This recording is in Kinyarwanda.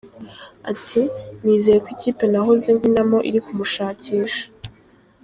Ati: "Nizeye ko ikipe nahoze nkinamo iri kumushakisha.